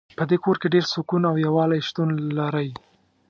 په دې کور کې ډېر سکون او یووالۍ شتون لری